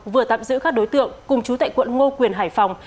vừa tạm giữ các đối tượng cùng chú tại quận ngô quyền hải phòng